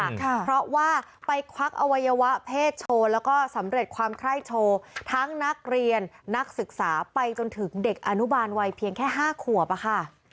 เพราะว่าไปควักอวัยวะเพศโชว์แล้วก็สำเร็จความไคร้โชว์ทั้งนักเรียนนักศึกษาไปจนถึงเด็กอนุบาลวัยเพียงแค่ห้าขวบอะค่ะ